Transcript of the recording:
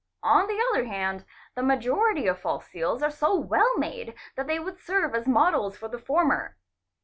On the other hand the majority of false seals are so well made that they would serve as models for the former.